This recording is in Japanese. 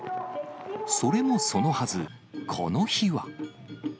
それもそのはず、この日は。